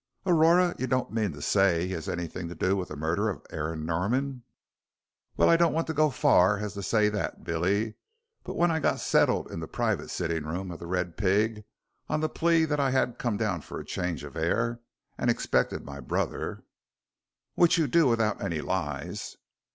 "Aurora, you don't mean to say he has anything to do with the murder of Aaron Norman?" "Well, I don't go so far as to say that, Billy. But when I got settled in the private sitting room of 'The Red Pig' on the plea that I had come down for a change of air, and expected my brother " "Which you do without any lies."